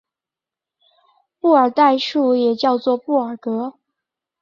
布尔代数也叫做布尔格。